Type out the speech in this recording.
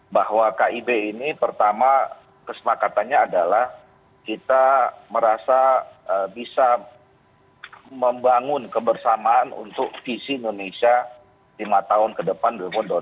bahwa kib ini pertama kesepakatannya adalah kita merasa bisa membangun kebersamaan untuk visi indonesia lima tahun ke depan dua ribu dua puluh empat